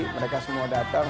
mereka semua datang